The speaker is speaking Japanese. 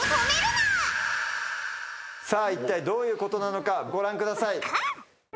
さあいったいどういうことなのかご覧ください。